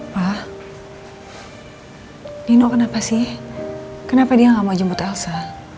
pak nino kenapa sih kenapa dia nggak mau jemput elsa